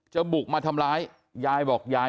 จะบุกมาทำร้าย